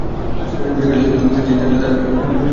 পোশাকে লেস, বোতাম, চেইন থাকলে তার ওপর ইস্তিরি করা যাবে না।